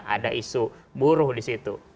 ada isu buruh di situ